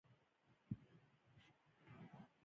محکومین نه شي کولای چې ځمکه ولري.